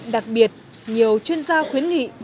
đặc biệt nhiều chuyên gia khuyến nghị